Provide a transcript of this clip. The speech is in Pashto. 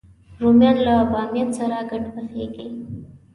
رومیان له بامیه سره ګډ پخېږي